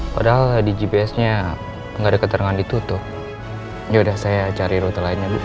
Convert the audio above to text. padahal di gps nya enggak ada keterangan ditutup ya udah saya cari rute lainnya bu